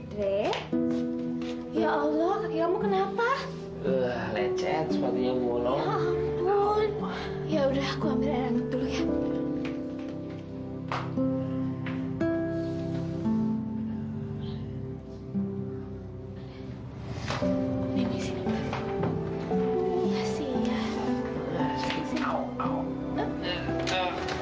drek ya allah kamu kenapa lecet sepatunya bolong ya udah aku ambil dulu ya